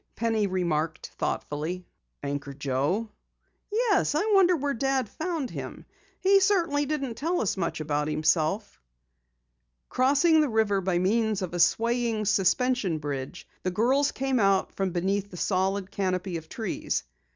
Penny remarked thoughtfully. "Anchor Joe?" "Yes, I wonder where Dad found him? He certainly didn't tell us much about himself." Crossing the river by means of a swaying, suspension bridge, the girls came out from beneath the solid canopy of trees.